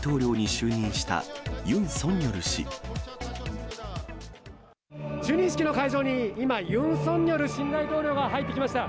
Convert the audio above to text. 就任式の会場に、今、ユン・ソンニョル新大統領が入ってきました。